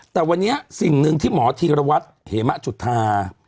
แต่วันนี้สิ่งหนึ่งที่หมอธีรวัตรเหมะจุธา